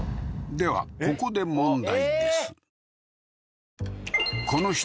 ではここで問題です